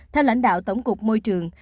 theo lãnh đạo tổng cục môi trường